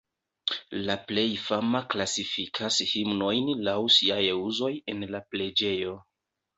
La plej fama klasifikas himnojn laŭ siaj uzoj en la preĝejo.